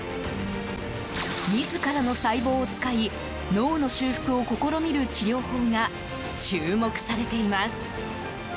自らの細胞を使い脳の修復を試みる治療法が注目されています。